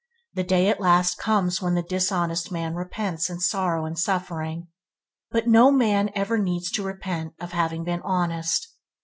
The day at last comes when the dishonest man repents in sorrow and suffering: but not man ever needs to repent of having been honest.